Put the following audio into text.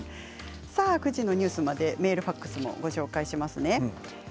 ９時のニュースまでメールファックスもご紹介しますね。